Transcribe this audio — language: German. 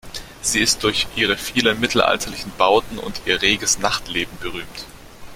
Sie ist durch ihre vielen mittelalterlichen Bauten und ihr reges Nachtleben berühmt.